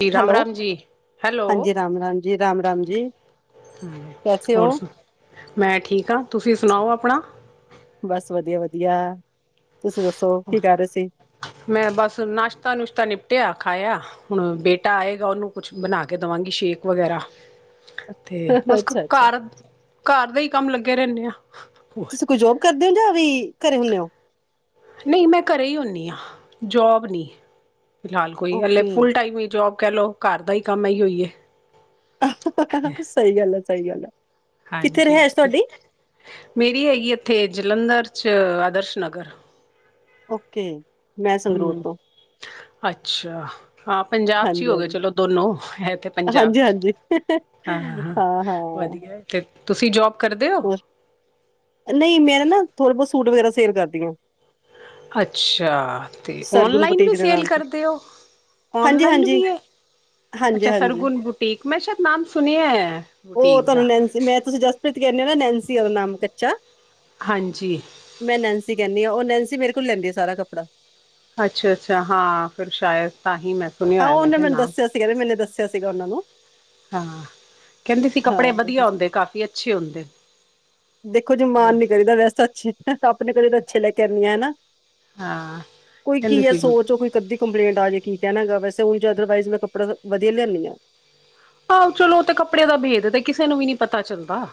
ਜੀ, ਹੈਲੋ ਰਾਮ-ਰਾਮ ਜੀ। ਹੈਲੋ! ਹਾਂਜੀ ਰਾਮ ਰਾਮ ਜੀ ਰਾਮ ਰਾਮ ਜੀ ਕੈਸੇ ਹੋ ਹੋਰ ਸੁ ਮੈਂ ਠੀਕ ਹਾਂ। ਤੁਸੀਂ ਸੁਣਾਓ ਆਪਣਾ। ਬਸ, ਵਧੀਆ-ਵਧੀਆ। ਤੁਸੀਂ ਦੱਸੋ, ਕੀ ਕਰ ਰਹੇ ਸੀ? ਮੈਂ ਬਸ ਨਾਸ਼ਤਾ-ਨੁਸ਼ਤਾ ਨਿਪਟਿਆ ਖਾਇਆ। ਹੁਣ ਬੇਟਾ ਆਏਗਾ। ਉਹਨੂੰ ਕੁਝ ਬਣਾ ਕੇ ਦੇਵਾਂਗੀ, ਸ਼ੇਕ ਵਗੈਰਾ। ਤੇ ਬਸ, ਅੱਛਾ ਅੱਛਾ ਘਰ ਘਰ ਦੇ ਹੀ ਕੰਮ ਲੱਗੇ ਰਹਿੰਦੇ ਹਾਂ। ਤੁਸੀਂ ਕੋਈ ਜੌਬ ਕਰਦੇ ਹੋ ਜਾਂ ਵੀ ਘਰੇ ਹੀ ਰਹਿੰਦੇ ਹੋ? ਨਹੀਂ, ਮੈਂ ਘਰੇ ਹੀ ਹੁੰਦੀ ਹਾਂ। ਜੌਬ ਨਹੀਂ ਫਿਲਹਾਲ ਕੋਈ ਓਕੇ ਫੁੱਲ-ਟਾਈਮ ਹੀ ਜੌਬ। ਕਹਿ ਲਓ, ਘਰ ਦਾ ਹੀ ਕੰਮ ਆਈ ਹੋਈ ਹੈ। ਸਹੀ ਗੱਲ ਆ, ਸਹੀ ਗੱਲ। ਹਾਂ ਕਿੱਥੇ ਜੀ, ਰਹਿਸ਼ ਅਤੇ ਤੁਹਾਡੀ ਮੇਰੀ ਹੈਗੀ ਇੱਥੇ ਜਲੰਧਰ 'ਚ ਆਦਰਸ਼ ਨਗਰ ਓਕੇ ਮੈਂ ਸੰਗਰੂਰ ਹੰਮ, ਤੋਂ ਅੱਛਾ ਆਪ? ਪੰਜਾਬ ਚ ਹੀ ਹਾਂਜੀ ਹੋ ਗਏ, ਹਾਂਜੀ ਚਲੋ ਦੋਨੋਂ ਹੈਂ ਤੇ ਪੰਜਾਬ ਹਾਂਜੀ ਚ ਹਾਂਜੀ ਹਾਂ। ਹਾਂ ਹਾਂ, ਵਧੀਆ। ਤੇ ਤੁਸੀਂ ਜੌਬ ਕਰਦੇ ਹੋ? ਹੋਰ ਨਹੀਂ ਮੈਂ ਨਾ ਥੋੜ੍ਹੇ ਬਹੁਤ ਸੂਟ ਵਗੈਰਾ ਸੇਲ ਕਰਦੀ ਹਾਂ ਅੱਛਾ ਤੇ ਸਰਗੁਣ ਓਨਲਾਈਨ ਵੀ ਬੁਟੀਕ ਦੇ ਸੇਲ ਨਾਮ ਤੋਂ ਕਰਦੇ ਹੋ ਹਾਂਜੀ ਓਨਲਾਈਨ ਵੀ ਹਾਂਜੀ ਏ ਹਾਂਜੀ ਅੱਛਾ ਹਾਂਜੀ ਸਰਗੁਣ ਬੁਟੀਕ ਮੈਂ ਸ਼ਾਇਦ ਨਾਮ ਸੁਣਿਆ ਹੈ ਬੁਟੀਕ ਦਾ ਪ੍ਰਤੀ ਕਹਿੰਦੇ ਹੋ ਨਾ ਨੈਨਸੀ ਓਰ ਨਾਂ ਨਾਮ ਕੱਚਾ ਹਾਂਜੀ ਮੈਂ ਨੈਨਸੀ ਕਹਿੰਦੀ ਹਾਂ ਉਹ ਨੈਨਸੀ ਮੇਰੇ ਕੋਲ ਲੈਂਦੀ ਹੈ ਸਾਰਾ ਕਪੜਾ ਅੱਛਾ-ਅੱਛਾ ਹਾਂ ਫਿਰ ਸ਼ਾਇਦ ਤਾਂ ਹੀ ਮੈਂ ਸੁਣਿਆ ਹਾਂ ਹੋਇਆ ਮੈਂ ਉਹਨੇ ਕਿਹਾ ਮੈਨੂੰ ਨਾਮ ਦੱਸਿਆ ਸੀਗਾ ਨਾ ਮੈਨੂੰ ਦੱਸਿਆ ਸੀਗਾ ਉਹਨਾਂ ਨੂੰ ਹਾਂ ਕਹਿੰਦੇ ਸੀ ਕੱਪੜੇ ਹਾਂ ਵਧੀਆ ਹੁੰਦੇ ਕਾਫੀ ਅੱਛੇ ਹੁੰਦੇ ਦੇਖੋ ਜੇ ਤੇ ਮਾਨ ਨੀ ਕਰੀਦਾ ਵੈਸੇ ਤਾਂ ਅੱਛੇ ਅਪਣੇ ਘਰੇ ਤਾਂ ਅੱਛੇ ਲੈ ਕੇ ਆਨੀ ਆ ਹੈਨਾ ਹਾਂ ਕੋਈ ਕਹਿੰਦੇ ਕੀ ਹੈ ਸੀ ਸੋਚ ਉਹ ਕੋਈ ਕੱਦੀ ਕੰਪਲੇਂਟ ਆ ਜੇ ਕੀ ਕਹਿਣਾ ਗਾ ਵੈਸੇ ਉਂਜ ਜਾਦਾ ਅਦਰਵਾਇਜ਼ ਮੈਂ ਕਪੜਾ ਤਾਂ ਵਧੀਆ ਹੀ ਲਿਆਦੀ ਹਾਂ ਆਹੋ, ਚਲੋ। ਵੋਤਾ ਕੱਪੜਿਆਂ ਦਾ ਭੇਦ ਤਾਂ ਕਿਸੇ ਨੂੰ ਵੀ ਪਤਾ ਚੱਲਦਾ।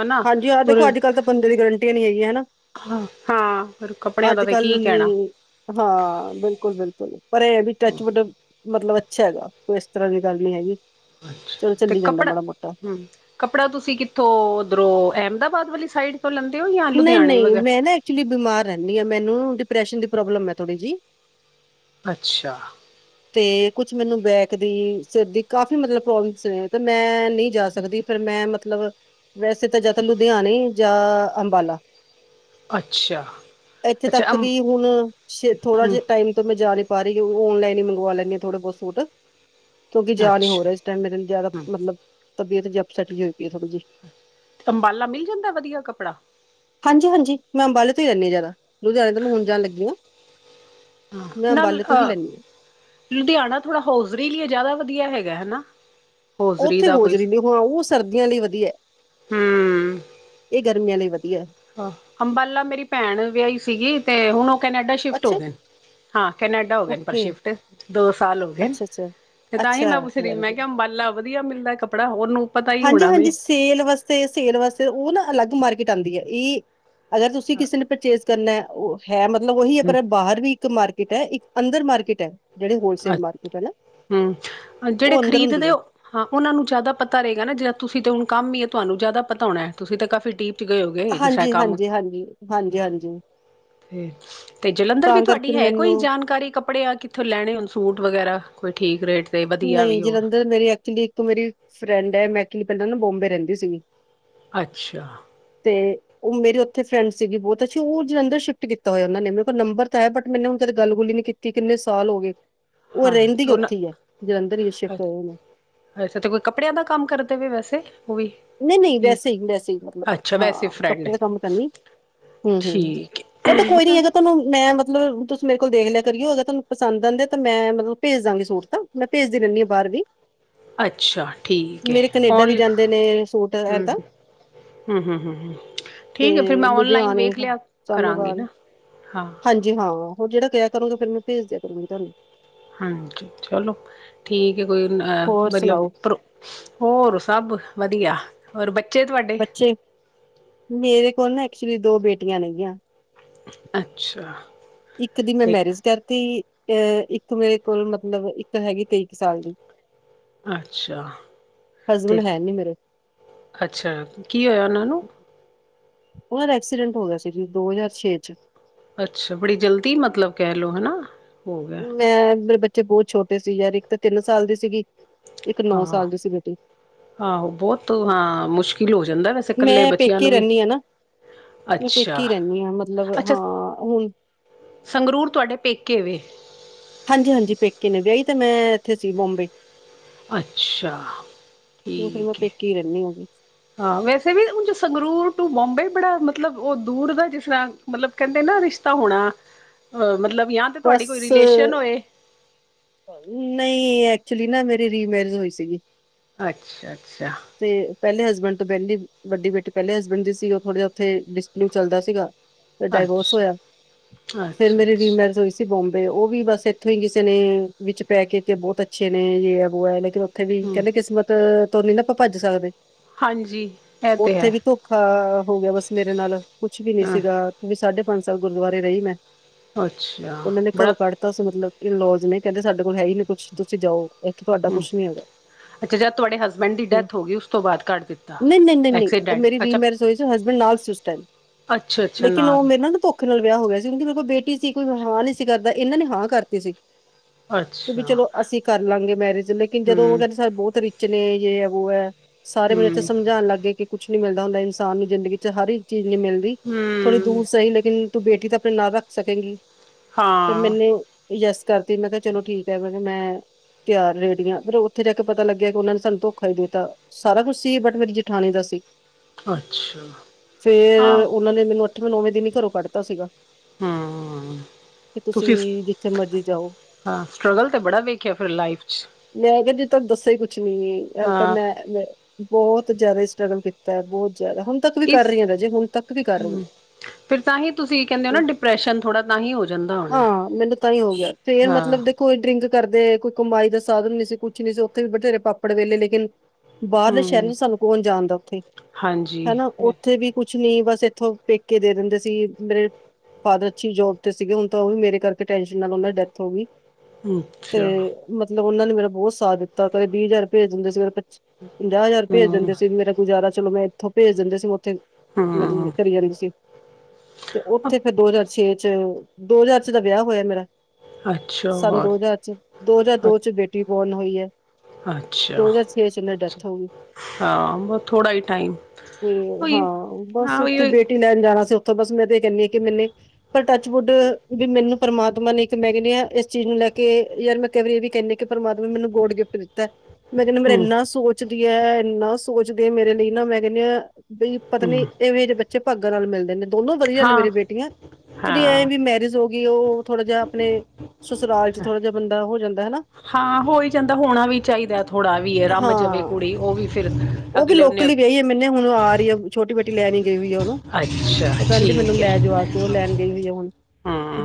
ਹਨਾ ਹਾਂਜੀ, ਪਰ ਦੇਖੋ ਅੱਜਕੱਲ੍ਹ ਤਾਂ ਬੰਦੇ ਦੀ ਵੀ ਗਰੰਟੀ ਨਹੀਂ ਹੈਗੀ, ਹੈ ਨਾ? ਹਾਂ ਫਿਰ ਕੱਪੜਿਆਂ ਦਾ ਅੱਜ ਤਾਂ ਕੀ ਕੱਲ੍ਹ ਨੀ ਕਹਿਣਾ। ਹਾਂ ਬਿਲਕੁਲ ਬਿਲਕੁਲ। ਪਰ ਇਹ ਵੀ ਟੱਚਵੁੱਡ। ਮਤਲਬ, ਅੱਛਾ ਹੈਗਾਂ ਕੋਈ ਇਸ ਤਰ੍ਹਾਂ ਦੀ ਗੱਲ ਨਹੀਂ ਹੈਗੀ। ਚਲੋ, ਤੇ ਚੱਲੀ ਜਾਂਦਾ ਕੱਪੜਾ ਮਾੜਾ-ਮੋਟਾ। ਹੂੰ ਕੱਪੜਾ ਤੁਸੀਂ ਕਿੱਥੋਂ ਉਧਰੋਂ ਅਹਿਮਦਾਬਾਦ ਵਾਲੀ ਸਾਈਡ ਤੋਂ ਲੈਂਦੇ ਹੋ ਯਾ ਲੁਧਿਆਣੇ ਵਗੈਰਾ ਐਕਚੁਲੀ ਬਿਮਾਰ ਰਹਿੰਦੀ ਆ ਮੈਨੂੰ ਡਿਪਰੈਸ਼ਨ ਦੀ ਪ੍ਰੋਬਲਮ ਹੈ ਥੋੜੀ ਜੀ ਅੱਛਾ ਤੇ ਕੁਛ ਮੈਨੂੰ ਬੈਕ ਦੀ ਸਿਰ ਦੀ ਕਾਫੀ ਮਤਲਬ ਪ੍ਰੋਬਲਮਸ ਨੇ ਤੇ ਮੈਂ ਨਹੀਂ ਜਾ ਸਕਦੀ ਫਿਰ ਮੈਂ ਮਤਲਬ ਵੈਸੇ ਤਾਂ ਜਾਂ ਤਾਂ ਲੁਧਿਆਣੇ ਜਾਂ ਅੰਬਾਲਾ ਅੱਛਾ ਇੱਥੇ ਅੱਛਾ ਤੱਕ ਅੰਬ ਵੀ ਹੁਣ ਥੋੜਾ ਹੂੰ ਜਿਹਾ ਟਾਈਮ ਤੋਂ ਮੈਂ ਜਾ ਰਹੀ ਬਾਰੀ ਓਨਲਾਈਨ ਹੀ ਮੰਗਵਾ ਲੈਂਨੀ ਆਂ ਥੋੜੇ ਬਹੁਤ ਸੂਟ ਕਿਉਂਕਿ ਜਾ ਨੀ ਹੋ ਅੱਛਾ ਰਿਹਾ ਇਸ ਟਾਈਮ ਮੇਰੇ ਜ਼ਿਆਦਾ ਹੂੰ ਮਤਲਬ ਤਬੀਅਤ ਜੀ ਅਪਸੈਟ ਜੀ ਹੋਈ ਪਯੀ ਹੈ ਥੋੜੀ ਜਹੀ ਅੰਬਾਲਾ ਮਿਲ ਜਾਂਦਾ ਵਧੀਆ ਕੱਪੜਾ ਹਾਂਜੀ ਹਾਂਜੀ ਮੈਂ ਅੰਬਾਲੇ ਤੋਂ ਹੀ ਲਿਆਨੀ ਹਾਂ ਜ਼ਿਆਦਾ ਲੁੱਧਿਆਣੇ ਤੇ ਮੈ ਹੁਣ ਜਾਨ ਲੱਗੀ ਆ ਨਾਲ ਅ ਲੈਂਦੀ ਹਾਂ ਲੁਧਿਆਣਾ ਥੋੜਾ ਹੋਜ਼ਰੀ ਲਈ ਜ਼ਿਆਦਾ ਵਧੀਆ ਹੈਗਾ ਹੈਨਾ ਉੱਥੇ ਹੋਜਰੀ ਨੀ ਹਾਂ ਉਹ ਸਰਦੀਆਂ ਲਈ ਵਧੀਆ ਹੂੰ ਇਹ ਗਰਮੀਆਂ ਲਈ ਵਧੀਆ ਹਾ, ਅੰਬਾਲਾ ਮੇਰੀ ਭੈਣ ਵਿਆਹੀ ਸੀਗੀ ਤੇ ਹੁਣ ਉਹ ਕੈਨੇਡਾ ਸ਼ਿਫਟ ਹੋ ਅੱਛਾ ਗਏ। ਹਾਂ ਕੈਨੇਡਾ ਹੋ ਗਏ ਪਰ ਓਕੇ ਸ਼ਿਫਟ ਦੋ ਸਾਲ ਹੋ ਗਏ ਨੇ ਅੱਛਾ-ਅੱਛਾ, ਤੇ ਅੱਛਾ ਤਾਂਹੀ ਅੱਛਾ ਮੈਂ ਪੁੱਛ ਰਹੀ ਸੀ ਵੈਰੀ ਮੈਂ ਗੁੱਡ। ਕਿਹਾ ਅੰਬਾਲਾ ਵਧੀਆ ਮਿਲਦਾ ਕੱਪੜਾ ਉਹਨੂੰ ਪਤਾ ਹੀ ਹੋਣਾ ਹਾਂਜੀ-ਹਾਂਜੀ ਵੇ। ਸੇਲ ਵਾਸਤੇ-ਸੇਲ ਵਾਸਤੇ ਉਹ ਨਾ ਅਲੱਗ ਮਾਰਕੀਟ ਆਉਂਦੀ ਆ ਇ ਅਗਰ ਤੁਸੀਂ ਕਿਸੇ ਨੇ ਪਰਚੇਸ ਕਰਨਾ ਉਹ ਹੈ ਮਤਲਬ ਉਹੀ ਹੈ ਪਰ ਬਾਹਰ ਵੀ ਇੱਕ ਮਾਰਕੀਟ ਹੈ ਇੱਕ ਅੰਦਰ ਮਾਰਕੀਟ ਹੈ ਅੱ ਹਮ ਉਹ ਜਿਹੜੇ ਅੰਦਰ ਹੁੰਦੀ ਖ਼ਰੀਦਦੇ ਐ। ਉਹ ਹਾਂ ਉਹਨਾ ਨੂੰ ਜ਼ਿਆਦਾ ਪਤਾ ਰਹੇਗਾ ਨਾ ਜੇੜਾ ਤੁਸੀਂ ਤੇ ਹੁਣ ਕੰਮ ਹੀ ਤੁਹਾਨੂੰ ਜ਼ਿਆਦਾ ਪਤਾ ਹੋਣਾ ਹੈ ਤੁਸੀਂ ਤਾਂ ਕਾਫ਼ੀ ਡੀਪ ਗਏ ਹੋਗੇ ਜਿਸਤਰਾ ਇਹ ਕੰਮ ਹਾਂਜੀ-ਹਾਂਜੀ, ਹਾਂਜੀ, ਹਾਂਜੀ-ਹਾਂਜੀ ਤੇ ਜਲੰਧਰ ਵੀ ਤਾਂ ਕਰਕੇ ਤੁਹਾਡੀ ਹੈ ਕੋਈ ਮੈਨੂੰ ਜਾਣਕਾਰੀ ਕਪੜਿਆਂ ਕਿਥ ਕਿਥੋਂ ਲੈਣੇ ਹੋਨ ਸੂਟ ਵਗੈਰਾ ਕੋਈ ਠੀਕ ਰੇਟ। ਤੇ ਵਧੀਆ ਨਈ ਵੀ ਹੋਣ ਜਲੰਧਰ ਮੇਰੀ ਐਕਚੁਲੀ ਇੱਕ ਮੇਰੀ ਫਰੈਂਡ ਐ, ਮੈ ਐਕਚੂਲੀ ਪਹਿਲਾਂ ਨਾਂ ਬੋਮਬੇ ਰੇਂਦੀ ਸੀਗੀ। ਅੱਛਾ। ਤੇ ਉਹ ਮੇਰੇ ਉੱਥੇ ਫਰੈਂਡ ਸੀਗੀ ਬੋਤ ਅੱਛੀ, ਉਹ ਜਲੰਧਰ ਸ਼ਿਫਟ ਕੀਤਾ ਹੋਇਆ ਉਹਨਾਂ ਨੇੇ, ਮੇਰੇ ਕੋਲ ਨੰਬਰ ਤਾਂ ਹੈ ਬਟ ਮੈਨੂੰ ਕਦੇ ਗੱਲ-ਗੁੱਲ ਈ ਨੀ ਕੀ ਕਿ ਕਿੰਨੇ ਸਾਲ ਹੋ ਗਏ। ਉਹ ਹਾਂ ਤੇ ਰੇਂਦੀ ਉੱਥੇ ਈ ਆ। ਉਹਨਾਂ ਜਲੰਧਰ ਹੀ ਸ਼ਿਫਟ ਹੋਏ ਨੇ ਵੈਸੇ ਤੇ ਕੋਈ ਕੱਪੜਿਆਂ ਦਾ ਕੰਮ ਕਰਦੇਵੇ ਵੈਸੇ, ਉਹ ਵੀ ਨਹੀਂ-ਨਹੀਂ ਕੀ ਵੈਸੇ ਈ-ਵੈਸੇ ਈ ਮਤਲਬ, ਅੱਛਾ ਵੈਸੇ ਹਾਂ ਫਰੈਂਡ ਕੱਪੜੇ ਹੈ ਦਾ ਕੰਮ ਤਾਂ ਨਹੀਂ ਹੁੰ, ਹੁੰ। ਠੀਕ ਉਹ ਤਾਂ ਕੋਈ ਨੀ ਹੈ ਹੈਗਾ ਤੁਹਾਨੂੰ, ਮੈਂ ਮਤਲਬ ਤੁਸ ਮੇਰੇ ਕੋਲ ਦੇਖ ਲਿਆ ਕਰਿਓ। ਅਗਰ ਤਾਨੂੰ ਪਸੰਦ ਆਂਦਾ ਤਾਂ ਮੈਂ ਮਤਲਬ ਭੇਜ਼ ਦਾਂਗੀ ਸੂਟ ਤਾਂ। ਮੈਂ ਪੇਜ਼ਦੀ ਰੇਨੀ ਆਂ ਬਾਹਰ ਵੀ। ਅੱਛਾ ਠੀਕ ਮੇਰੇ ਹੈ ਕੈਨੇਡਾ ਵੀ ਔਨ ਜਾਂਦੇ ਨੇ ਸੂਟ ਏਦਾਂ। ਹੁੰ, ਹੁੰ, ਹੁੰ, ਹੁੰ ਤੇ ਠੀਕ ਐ ਫਿਰ ਮੈਂ ਔਨਲਾਈਨ ਲੁਧਿਆਣੇ ਵੇਖ ਲਿਆ ਕਰਾਂਗੀ ਸਾਹਨੇਵਾਲ ਨਾ, ਹਾ। ਹਾਂਜੀ, ਹਾਂ। ਉਹ ਜਿਹੜਾ ਕਿਆ ਕਰੂੰਗੇ ਫੇਰ ਮੈਂ ਭੇਜ ਦਿਆ ਕਰੂੰਗੀ ਤਾਨੂੰ। ਹਾਂਜੀ, ਚਲੋ ਠੀਕ ਐ ਕੋਈ ਨ ਹਾ ਹੋਰ ਮਤਲਬ ਸੁਣਾਓ ਪ੍ਰੋ ਹੋਰ ਸਭ ਵਧੀਆ, ਹੋਰ ਬੱਚੇ ਤੁਹਾਡੇ? ਬੱਚੇ ਮੇਰੇ ਕੋਲ ਨਾ ਐਕਚੁਅਲੀ ਦੋ ਬੇਟੀਆਂ ਨੇ ਗਿਆ। ਅੱਛਾ। ਇੱਕ ਦੀ ਮੈਂ ਤੇ ਮੈਰਿਜ ਕਰਤੀ। ਅ ਇੱਕ ਮੇਰੇ ਕੋਲ ਮਤਲਬ, ਇੱਕ ਹੈਗੀ ਤੇਈਂ ਕੁ ਸਾਲ ਦੀ। ਅੱਛਾ, ਤੇ ਹਸਬੈਂਡ ਹੈ ਨੀ ਮੇਰੇ ਅੱਛਾ ਕੀ ਹੋਆ ਉਹਨਾਂ ਨੂੰ? ਉਹਨਾਂ ਦਾ ਐਕਸੀਡੈਂਟ ਹੋ ਗਿਆ ਸੀ ਜੀ, ਦੋ ਹਜ਼ਾਰ ਛੇ ਚ। ਅੱਛਾ, ਬੜੀ ਜਲਦੀ ਮਤਲਬ ਕੇਹ ਲੋ ਹੋ ਗਿਆ। ਮੈ, ਮੇਰੇ ਬੱਚੇ ਬੋਤ ਛੋਟੇ ਸੀ ਯਾਰ, ਇੱਕ ਤਾਂ ਤਿੰਨ ਸਾਲ ਦੀ ਸੀਗੀ, ਇੱਕ ਨੌਂ ਹਾਂ ਸਾਲ ਦੀ ਸੀ ਬੇਟੀ। ਆਹੋ, ਬੋਤ, ਹਾਂ ਮੁਸ਼ਕਿਲ ਹੋ ਜਾਂਦਾ ਵੈਸੇ ਕੱਲੇ ਮੈਂ ਬੱਚਿਆਂ ਪੇਕੇ ਨੂੰ ਵੀ ਰਹਿੰਦੀ ਹਾਂ ਨਾ ਮੈਂ ਪੇਕੇ ਅੱਛਾ ਈ ਰੇਂਨੀ ਆਂ, ਮਤਲਬ ਅੱਛਾ ਹਾਂ ਹੁਨ ਸੰਗਰੂਰ ਤੁਹਾਡੇ ਪੇਕੇ ਵੇ। ਹਾਂਜੀ-ਹਾਂਜੀ ਪੇਕੇ ਨੇ, ਵਿਆਹੀ ਤੇ ਮੈਂ ਇੱਥੇ ਸੀ ਬੋਮਬੇ ਅੱਛਾ, ਉਹ ਫਿਰ ਮੈਂ ਠੀਕ ਐ। ਪੇਕੀ ਰਹਿੰਦੀ ਹੋਗੀ ਹਾਂ ਵੈਸੇ ਵੀ ਉਂਜ ਸੰਗਰੂਰ ਟੂ ਬੋਮਬੇ ਬੜਾ ਮਤਲਬ ਉਹ ਦੂਰ ਦਾ ਜਿਸ ਰਾ ਮਤਲਬ ਕੇਂਦੇ ਨਾ ਰਿਸ਼ਤਾ ਹੋਣਾ, ਅ ਮਤਲਬ ਯਾ ਤੇ ਤੁਹਾਡੀ ਬਸ ਕੋਈ ਰਿਲੇਸ਼ਨ ਹੋਏ ਨਹੀਂ, ਐਕਚੁਅਲੀ ਨਾ ਮੇਰੀ ਰੀਮੈਰਿਜ ਹੋਈ ਸੀਗੀ। ਅੱਛਾ-ਅੱਛਾ। ਤੇ ਪਹਿਲੇ ਹਸਬੈਂਡ ਤੋਂ [unintelligible] ਵੱਡੀ ਬੇਟੀ ਪਹਿਲੇ ਹਸਬੈਂਡ ਦੀ ਸੀ। ਉਹ ਥੋੜ੍ਹਾ ਜਿਹਾ ਉੱਥੇ ਡਿਸਪੀਉਟ ਚੱਲਦਾ ਸੀਗਾ। ਫੇਰ ਡਾਈਵੋਰਸ ਹੋਇਆ, ਅੱਛਾ ਫੇਰ ਅੱਛਾ ਮੇਰੀ ਅੱਛਾ ਰੀਮੈਰਿਜ ਹੋਈ ਸੀ। ਤੇ ਬੋਮਬੇ, ਉਹ ਵੀ ਬਸ ਇੱਥੋਂ ਈ ਕਿਸੇ ਨੇ ਵਿੱਚ ਪੈ ਕੇ ਬੋਤ ਅੱਛੇ ਨੇ, ਯੈ, ਐ, ਵੋ, ਐ ਲਾਇਕ ਥੇ ਵੀ, ਹਮ ਕੇਂਦੇ ਕਿਸਮਤ ਤੋਂ ਨੀ ਨਾ ਆਪਾ ਭੱਜ ਸਕਦੇ। ਹਾਂਜੀ ਇਹ ਤੇ ਉੱਥੇ ਹੈ ਵੀ ਧੋਖਾ ਹੋ ਗਿਆ ਬਸ ਮੇਰੇ ਨਾਲ, ਕੁਝ ਵੀ ਨੀ ਹਾਂ ਸੀਗਾ। ਵੀ ਸਾਢੇ ਪੰਜ ਸਾਲ ਗੁਰਦੁਆਰੇ ਰਹੀ ਮੈਂ, ਅੱਛਾ ਉਹਨਾਂ ਨੇ ਬੜਾ ਘਰੋਂ ਕੱਢ ਤਾ ਸੀ ਮਤਲਬ। ਇਨ-ਲਾਅਜ਼ ਨੇ ਕਹਿੰਦੇ ਸਾਡੇ ਕੋਲ ਹੈ ਹੀ ਨਹੀਂ ਕੁਝ। ਤੁਸੀਂ ਜਾਓ, ਇੱਥੇ ਤੁਹਾਡਾ ਹੂੰ ਕੁਝ ਨਹੀਂ ਹੈਗਾ। ਅੱਛਾ, ਜਦੋਂ ਤੁਹਾਡੇ ਹਸਬੈਂਡ ਦੀ ਹੂੰ। ਡੈਥ ਹੋ ਗਈ, ਉਸ ਤੋਂ ਬਾਅਦ ਕੱਢ ਦਿੱਤਾ? ਨਹੀਂ, ਨਹੀਂ, ਨਹੀਂ, ਨਹੀਂ, ਐਕਸੀਡੈਂਟ ਮੇਰੀ ਦਿ ਅੱਛਾ ਮੇਰੇ ਰਸੋਈ ਚੈ ਹੱਸਬੈਂਡ ਨਾਲ ਸੀ, ਉਸ ਟਾਈਮ ਅੱਛਾ ਅੱਛਾ ਲੇਕਿਣ ਵੌ ਮੇਰੀ ਨਾਲ ਧੋਖ [unintelligible] ਵਿਆਹ ਹੋ ਗਿਆ ਸੀ। ਇਨਕੀ ਦੇਖੋ ਬੇਟੀ ਸੀ। ਕੋਈ ਹਾਂ ਨਈ ਸੀ ਕਰਦਾ, ਇਹਨਾਂ ਨੇ ਹਾਂ ਕਰਤੀ ਸੀ। ਵੀ ਅੱਛਾ ਚਲੋ ਅਸੀਂ ਕਰ ਲਾਂਗੇ ਮੈਰਿਜ। ਲੇਕਿਨ ਜਦੋਂ ਉਹ ਹੂੰ ਕੇਂਦੇ ਸਾਡ ਬੋਤ ਰੀ ਚਨੇ, ਯੇ, ਹੈ, ਵੋ, ਹੈ, ਸਾਰੇ ਮੈਨੂੰ ਇੱਥੇ ਹੂੰ ਸਮਝਾਨ ਲੱਗ ਗਏ ਕਿ ਕੁਝ ਨੀ ਮਿਲਦਾ ਹੁੰਦਾ ਇਨਸਾਨ ਨੂੰ ਜ਼ਿੰਦਗੀ ਚ ਹਰ ਇੱਕ ਚੀਜ਼ ਨਈ ਮਿਲਦੀ। ਹੁੰ। ਥੋੜ੍ਹੀ ਦੂਰ ਸਹੀ, ਲੇਕਿਨ ਤੂੰ ਬੇਟੀ ਤਾਂ ਆਪਣੇ ਨਾਲ ਰੱਖ ਸਕੇਂਗੀ। ਤੇ ਹਾਂ ਮੈਨੇ ਯੈੱਸ ਕਰਤੀ। ਮੈਂ ਕਿਹਾ, ਚਲੋ ਠੀਕ ਹੈ। ਮੈਂ ਕਿਹਾ ਤਿਆਰ ਰੇੜੀਆਂ। ਫਿਰ ਉੱਥੇ ਜਾ ਕੇ ਪਤਾ ਲੱਗਿਆ ਕਿ ਉਹਨਾਂ ਨੇ ਸਾਨੂੰ ਧੋਖਾ ਹੀ ਦਿੱਤਾ। ਸਾਰਾ ਕੁਛ ਸੀ, ਬਟ ਮੇਰੀ ਜੇਠਾਣੀ ਦਾ ਸੀ। ਅੱਛਾ ਫੇਰ ਹਾਂ ਉਹਨਾਂ ਨੇ ਮੈਨੂੰ ਮੈਨੂੰ ਨੌਵੇਂ ਦਿਨ ਹੀ ਘਰੋਂ ਕੱਢਤਾ ਸੀਗਾ। ਹਮ ਹਮ ਕਿ ਤੁਸੀਂ ਜਿੱਥੇ ਮਰਜ਼ੀ ਜਾਓ। ਹਾਂ ਸਟਰਗਲ ਤੇ ਬੜਾ ਵੇਖਿਆ ਫਿਰ ਲਾਈਫ 'ਚ ਮੈਂ ਕਿਹਾ, ਤੁਹਾਨੂੰ ਦੱਸਿਆ ਕੁਝ ਨਹੀਂ ਗੱਲ ਤਾਂ ਹਾਂ ਮੈਂ ਮੈਂ ਬਹੁਤ ਜ਼ਿਆਦਾ ਸਟਰੱਗਲ ਕੀਤੀ। ਤਾਂ ਬਹੁਤ ਜ਼ਿਆਦਾ, ਹੁਣ ਤੱਕ ਵੀ ਕਰ ਇਸ ਰਹੀ ਹਾਂ। ਰਾਜੇ, ਹੁਣ ਤੱਕ ਵੀ ਕਰ ਰਹੀ। ਹੂੰ ਫਿਰ ਤਾਂ ਹੀ ਤੁਸੀਂ ਕਹਿੰਦੇ ਹੋ ਨਾ, ਹਾਂ ਡਿਪਰੈਸ਼ਨ ਥੋੜ੍ਹਾ ਤਾਂ ਹੋ ਹੀ ਜਾਂਦਾ ਹੋਨਾ। ਹਾਂ ਮੈਨੂੰ ਤਾਂ ਹੀ ਹੋ ਗਿਆ ਫੇਰ ਮਤਲਬ ਦੇਖੋ, ਡਰਿੰਕ ਕਰਦੇ। ਕੋਈ ਕਮਾਈ ਦਾ ਸਾਧਨ ਨਹੀਂ ਸੀ, ਕੁਝ ਵੀ ਨਹੀਂ ਸੀ। ਉੱਥੇ ਵੀ ਬਥੇਰੇ ਪਾਪੜ ਵੇਲੇ, ਲੇਕਿਨ ਬਾਰਲੇ ਸ਼ੈਰ ਹੂੰ ਨੂੰ ਸਾਨੂੰ ਕੌਨ ਜਾਨਦਾ ਓੱਥੇ, ਹਾਂਜੀ ਹੇਨਾ ਓੱਥੇ ਵੀ ਕੁਛ ਨੀ, ਬਸ ਇੱਥੋਂ ਪੇਕੇ ਦੇ ਦਿੰਦੇ ਸੀ। ਮੇਰੇ ਫਾਦਰ ਅੱਛੀ ਜੋਬ ਤੇ ਸੀਗੇ। ਹੁਨ ਤਾਂ ਓ ਵੀ ਮੇਰੇ ਕਰਕੇ ਟੈਸ਼ਨ ਨਾਲ ਓਨਾਂ ਡੈਥ ਹੋ ਗੀ। ਤੇ ਅੱਛਾ ਮਤਲਬ ਓਨਾਂ ਨੇ ਮੇਰਾ ਬੋਤ ਸਾਥ ਦਿੱਤਾ, ਕਦੇ ਵੀਹ ਹਜ਼ਾਰ ਪੇਜ ਦਿੰਦੇ ਸੀ, ਕਦੇ ਪਚੀ- ਪੰਜਾਹ ਹਜ਼ਾਰ ਪੇਜ ਹੂੰ ਦਿੰਦੇ ਸੀ ਮੇਰਾ ਗੁਜ਼ਾਰਾ ਚਲੋ ਮੈਂ ਇੱਥੋਂ ਪੇਜ ਦਿੰਦੇ ਸੀ, ਓਥੇ ਮਤਲਬ ਹੂੰ ਕਰੀ ਜਾਂਦੀ ਸੀ। ਓਥੇ ਫੇਰ ਦੋ ਜਾਰ ਛੇ ਚ ਦੋ ਹਜਾਰ ਚ ਦਾ ਵਿਆਹ ਹੋਇਆ ਮੇਰਾ ਅੱਛਾ ਸੰਨ ਹੋਰ ਦੋ ਜਾਰ ਚ, ਦੋ ਹਜ਼ਾਰ ਦੋ ਚ ਬੇਟੀ ਬੋਰਨ ਹੋਈ ਐ। ਅੱਛਾ ਦੋ ਜਾਰ ਛੇ ਚ ਓਨਾਂ ਡੈ ਤੇ ਹਾਂ ਬਹੁਤ ਥੋੜਾ ਹੀ ਟਾਈਮ ਉਹੀ ਹਾ ਬਸ ਹਾਂ ਉਹੀ ਓੱਥੇ ਉਹੀ ਬੇ ਟੀ ਲੈਣ ਜਾਣਾ ਸੀ ਓੱਥੋਂ ਬਸ ਮੈਂ ਤੇ ਏ ਕੈਨੀ ਕਿ ਮੈਨੇ ਪਰ ਟੱਚਵੁੱਡ, ਵੀ ਮੈਨੂੰ ਪਰਮਾਤਮਾ ਨੇ ਇੱਕ ਮੈ ਕੈਣੀ ਆ ਇਸ ਚੀਜ ਨੂੰ ਲੈ ਕੇ ਯਾਰ ਮੈਂ ਕਰੇ ਏ ਵੀ ਕੈਨੇ ਕਿ ਪਰਮਾਤਮਾ ਨੇ ਮੈਨੂੰ ਗੋਡ ਗਿਫਤ ਦਿੱਤਾ। ਮੈਂ ਕੈਨੀ ਮੇਰਾ ਹਮ ਏਨਾ ਸੋਚਦੀ ਐ, ਏਨਾ ਸੋਚਦੀ ਆ ਮੇਰੇ ਲਈ ਨਾ ਮੈ ਕੈਨੀ ਆ ਬਈ ਹਮ ਪਤਨੀ ਏਵੇਂ ਜਹੇ ਬੱਚੇ ਭਾਗਾਂ ਨਾਲ ਮਿਲਦੇ ਨੇ, ਦੋਨੋ ਵਧੀਆ ਨੇ ਹਾਂ ਮੇਰੀ ਬੇਟੀਆਂ। ਜਿਹੜੀ ਐਵੇਂ ਹਾਂ ਵੀ ਮੈਰਿਜ ਹੋ ਗਈ, ਉਹ ਥੋੜ੍ਹਾ ਜਿਹਾ ਆਪਣੇ ਸਸੁਰਾਲ ਚ ਥੋੜ੍ਹਾ ਜਿਹਾ ਬੰਦਾ ਹੋ ਜਾਂਦਾ ਹੈ ਨਾ। ਹਾਂ, ਹੋਈ ਜਾਂਦਾ। ਹੋਣਾ ਵੀ ਚਾਹੀਦਾ, ਥੋੜ੍ਹਾ ਵੀਂ ਆ ਰਮ ਜਾਵੇ ਹਾਂ ਕੂ। ਦੀ ਉਹ ਵੀ ਫਿਰ ਅੱਗਲੇ ਉਹਨੇ ਕਈ ਮੈਂਨੇ ਹੁਣ ਆ ਰਹੀ, ਛੋਟੀ ਬੇਟੀ ਲੈਣ ਗਈ ਉਹਨੂੰ ਅੱਛਾ ਉਹ ਕਹਿੰਦੀ, ਮੈਨੂੰ ਠੀਕ ਹੈ ਲੈ ਜਾਓ ਆਕੇ ਉਹ ਲੈਣ ਗਈ ਹੋਈ ਆ ਹੁਣ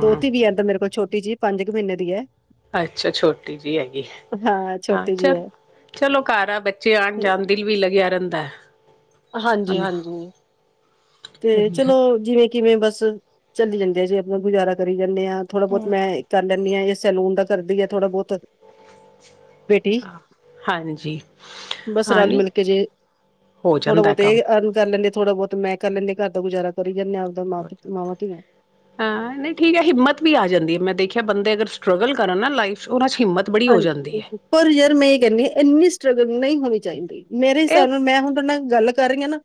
ਦੋ ਮੇਰੇ ਕੋਲ ਛੋਟੀ ਜਿਹੀ, ਪੰਜ ਕੁ ਮਹੀਨੇ ਦੀ ਹੈ। ਅੱਛਾ, ਛੋਟੀ ਜਿਹੀ ਹੈਗੀ। ਹਾਂ ਛੋਟੀ ਜਿਹੀ ਚੱਲ ਹੈ ਚਲੋ ਘਰ ਆ ਬੱਚੇ ਤੇ ਆਣ-ਜਾਣ ਦਿਲ ਵੀ ਲੱਗਿਆ ਰੈਂਦਾ ਐ। ਹਾਂਜੀ, ਹਾਂਜੀ। ਤੇ ਚਲੋ ਜਿਵੇਂ ਕਿਵੇ ਬਸ ਚੱਲੀ ਜਾਂਦੇ ਆ ਜੇ ਅਪਨਾ ਗੁਜਾਰਾ ਕਰੀ ਜਾਨੇ ਆ। ਥੋੜਾ ਬੋਤ ਮੈਂ ਕਰ ਲੈਨੀ ਆ, ਏਹ ਸੈਲੂਨ ਦਾ ਕਰਦੀਏ ਥੋੜਾ ਬੋਤ ਬੇਟੀ, ਹਾਂ, ਹਾਂਜੀ ਬਸ ਹਾਂ ਰਲ ਨਹੀਂ ਮਿਲ ਕੇ ਜੇ ਹੋ ਥੋੜਾ ਜਾਂਦਾ ਬੋਤ ਏ ਕੰਮ ਅਰਨ ਕਰ ਲੈਂਦੇ, ਥੋੜਾ ਬੋਤ ਮੈਂ ਕਰ ਲੈਨੀ ਆ, ਘਰ ਦਾ ਗੁਜਾਰਾ ਕਰੀ ਜਾਨੇ ਆ ਮਾਂ ਓਰ ਚਲਦਾ ਮਾਵਾਂ ਧੀਆਂ ਏ। ਹਾਂ ਨਈ ਠੀਕ ਐ ਹਿੰਮਤ ਵੀ ਆ ਜਾਂਦੀ ਏ। ਮੈਂ ਦੇਖਿਆ ਬੰਦੇ ਅਗਰ ਸਟਰਗਲ ਕਰਨ ਨਾ ਲਾਈਫ ਚ ਓਨਾਂ 'ਚ ਹਿੰਮਤ ਬੜੀ ਹੋ ਜਾਂਦੀ ਹਾਂਜੀ। ਹੈ। ਪਰ ਯਰ ਮੈਂ ਏਹ ਕੈਨੀ ਆ ਇੰਨੀ ਸਟਰਗਲ ਨਹੀਂ ਹੋਣੀ ਚਾਹੀਦੀ। ਮੇਰੇ ਇਹ ਹਿਸਾਬ ਨਾਲ ਮੈਂ ਹੁਣ ਤੁਹਾਡ ਨਾਲ ਗੱਲ ਕਰ ਰਈ ਆ ਨਾ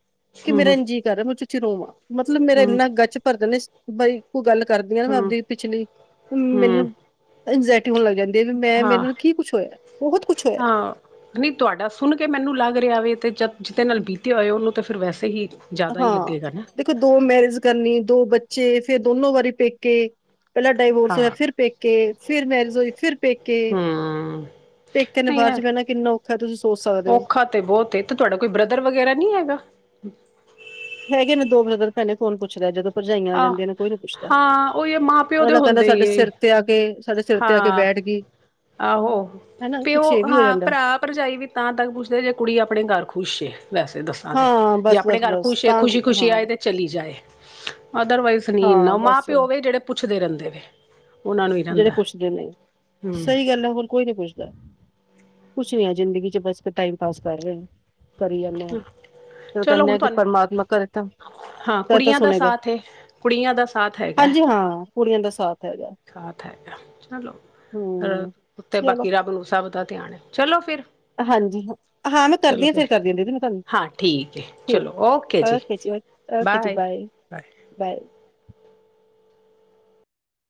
ਕਿ ਮੇਰਾ ਹੂੰ ਇੰਜ ਜੀ ਕਰ ਰੇਆ ਮੈਂ ਉੱ‍ਚੀਂ ਉੱਚੀ ਰੋਵਾਂ। ਮਤਲਬ ਮੇਰਾ ਹੂੰ ਏਨਾ ਗੱਚ ਪਰਦਾ ਨੇ ਬਈ ਇਕੋ ਗੱਲ ਕਰਦੀ ਆ ਨਾ ਹੂੰ ਆਪਦੀ ਪਿਛਲੀ, ਹੂੰ ਮੈਨੂੰ ਇੰਜਾਇਟੀ ਹੋਣ ਲੱਗ ਜਾਂਦੀ ਐ ਵੀ ਮੈਂ ਮੇਰੇ ਨਾਲ ਕੀ ਕੁਛ ਹੋਇਆ, ਬੋਹਤ ਕੁਛ ਹੋਇਆ ਨਈ, ਤੁਆਡਾ ਸੁਣ ਕੇ ਮੈਨੂੰ ਲੱਗ ਰਿਆ ਵੇ ਤੇ ਜ ਜਿਦੇ ਨਾਲ ਬੀਤਿਆ ਹੋਏ ਓਨੂੰ ਤੇ ਫਿਰ ਵੈਸੇ ਹੀ ਜਾਦਾ ਹੀ ਹਾਂ। ਲੱਗੇਗਾ ਨਾ। ਦੇਖੋ ਦੋ ਮੈਰਿਜ ਕਰਨੀ, ਦੋ ਬੱਚੇ, ਫੇਰ ਦੋਨੋ ਵਾਰੀ ਪੇਕੇ ਪੈਲਾਂ ਡਾਇਵੋਰਸ ਹੋਯਾ ਹਾਂ ਫੇਰ ਪੇਕੇ, ਫਿਰ ਮੈਰਿਜ ਹੋਈ, ਫਿਰ ਪੇਕੇ ਹੂੰ ਤੇ ਇੱਕਨ ਨੇ ਬਾਦ ਚ ਪੈਣਾ ਕਿੰਨਾ ਔਖਾ ਐ ਤੁਸੀ ਸੋਚ ਸਕਦੇ ਓ। ਖਾਤੇ ਬੋਤ ਏ, ਤੇ ਤੁਆਡਾ ਕੋਈ ਬ੍ਰਦਰ ਵਗੈਰਾ ਨੀ ਹੈਗਾ? ਹੈਗੇ ਨੇ ਦੋ ਬ੍ਰਦਰ ਪੈਨੇ ਕੋਨ ਪੁੱਛਦਾ ਏ ਜਦੋਂ ਪਰਜਾਈਆਂ ਆ ਆਹ ਜਾਂਦੀਆਂ ਨੇ ਕੋਈ ਨੀ ਪੁੱਛਦਾ। ਹਾਂ ਉਹ ਇਹ ਮਾਂ ਪਿਓ ਦੇ ਪੈਲਾਂ ਕੈਂਦਾ ਹੁੰਦੇ ਹੀ ਸਾਡੇ ਏ। ਸਿਰ ਤੇ ਆ ਕੇ ਸਾਡੇ ਸਿਰ ਤੇ ਆ ਕੇ ਹਾਂ ਬੈਠ ਗਈ। ਹਨਾ, ਕੁਛ ਏ ਵੀ ਹੋ ਜਾਂਦਾ। ਆ ਪਰਜਾਈ ਵੀ ਤਾਂ ਤੱਕ ਪੁੱਛਦੇ ਜੇ ਕੁੜੀ ਆਪਣੇ ਘਰ ਖੁਸ਼ ਏ, ਵੈਸੇ ਦੱਸ ਆ ਤੇ, ਹਾਂ ਜੇ ਬਸ ਆਪਣੇ ਬਸ ਘਰ ਬਸ ਖੁਸ਼ ਏ ਤਾਂ ਖੁਸ਼ੀ, ਕੁ- ਖੁਸ਼ੀ ਹਾਂ ਆਏ ਤੇ ਚਲੀ ਜਾਏ, ਅਦਰਵਾਈਸ ਨਈ ਹਾਂ ਏਨਾ ਬਸ ਮਾਂ-ਪਿਓ ਵੇ ਜੇੜੇ ਪੁੱਛਦੇ ਰੈਂਦੇ ਨੇ। ਜੇੜੇ ਪੁੱਛਦੇ ਨੇ। ਹਮ ਸਈ ਗੱਲ ਐ, ਹੋਰ ਕੋਈ ਨੀ ਪੁੱਛਦਾ। ਕੁਛ ਨਈ ਆ ਜ਼ਿੰਦਗੀ ਚ ਬਸ ਟਾਈਮ ਪਾਸ ਕਰ ਰਹੇ ਨੇ, ਕਰੀ ਜਾਨੇ ਆ। ਤੇ ਓ ਚਲੋ ਕੈਨੇ ਹੁਣ ਆ ਕਿ ਤੁਹਾਨੂੰ ਪਰਮਾਤਮਾ ਘਰੇ ਤਾਂ ਹਾਂ, ਤਾਂ ਤਾਂ ਕੁੜੀਆਂ ਦਾ ਸੁਣੇਗਾ ਸਾਥ ਏ ਕੁੜੀਆਂ ਦਾ ਸਾਥ ਹੈਗਾ। ਹਾਂਜੀ ਹਾਂ ਕੁੜੀਆਂ ਦਾ ਸਾਥ ਹੈਗਾ। ਸਾ ਤਾਂ ਹੈਗਾ ਚੱਲੋ, ਹੂੰ ਤੇ ਚਲੋ ਬਾਕੀ ਰੱਬ ਨੂੰ ਸਭ ਦਾ ਧਿਆਨ ਹੈ ਚਲੋ ਫਿਰ, ਹਾਂਜੀ, ਹਾਂ ਮੈਂ ਚਲੋ ਕਰਦੀ ਹਾਂ ਫੇਰ ਫਿਰ ਕਰਦੀ ਹਾਂ ਦੀਦੀ ਮੈਂ ਤੁਹਾਨੂੰ ਹਾਂ ਠੀਕ ਹੈ ਠੀਕ ਚਲੋ ਓਕੇ ਜੀ। ਓਕੇ ਜੀ ਬਾਏ ਬਾਏ,